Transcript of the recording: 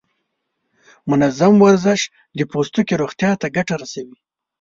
منظم ورزش د پوستکي روغتیا ته ګټه رسوي.